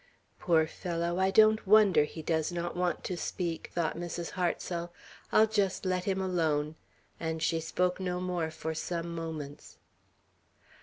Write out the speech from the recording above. "Poor fellow! I don't wonder he does not want to speak," thought Mrs. Hartsel. "I'll just let him alone;" and she spoke no more for some moments.